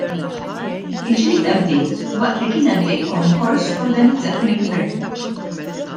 Il-ġlieda bdiet waqt li kien għaddej konkors organizzat mill-Gvern.